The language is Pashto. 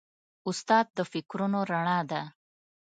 استاد د فکرونو رڼا ده.